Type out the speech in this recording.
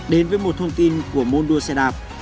đến với một thông tin của môn đua xe đạp